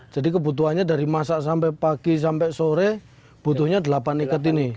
jadi kebutuhannya dari masak sampai pagi sampai sore butuhnya delapan ikat ini